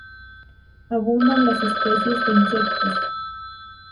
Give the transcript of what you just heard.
Abundan las especies de insectos.